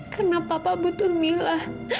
karena papa butuh mila